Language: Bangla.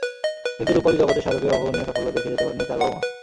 কিন্তু রুপালি জগতে শাহরুখের অভাবনীয় সাফল্য দেখে যেতে পারেননি তাঁর বাবা-মা।